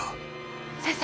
先生